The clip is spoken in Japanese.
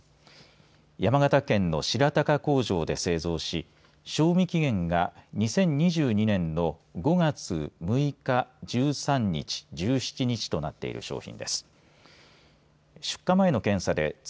山形県の白鷹工場で製造し賞味期限が２０２２年の５月６日１３日１７日となっている商品です。